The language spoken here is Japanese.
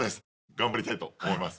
頑張りたいと思います。